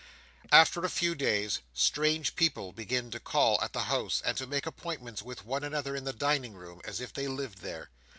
After a few days, strange people begin to call at the house, and to make appointments with one another in the dining room, as if they lived there.